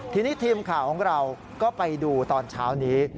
ทีนี้ทีมข่าวของเราก็ไปดูตอนเช้านี้